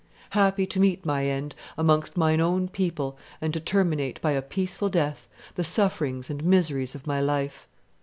Happy to meet my end amongst mine own people and to terminate by a peaceful death the sufferings and miseries of my life.